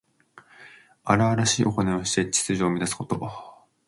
荒々しいおこないをして秩序を乱すこと。